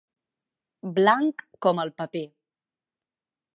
Blanc com el paper.